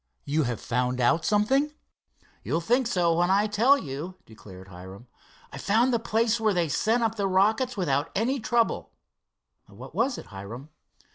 "You have found out something?" "You'll think so when I tell you," declared Hiram. "I found the place where they sent up the rockets without much trouble." "What was it, Hiram?"